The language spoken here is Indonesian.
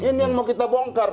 ini yang mau kita bongkar